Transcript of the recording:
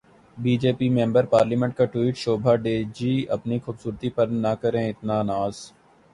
be J P member parliament کا tweet, Shobha De ji, اپنی خوبصورتی پر نہ کریں اتنا ناز